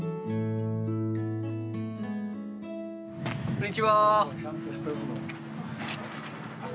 こんにちは。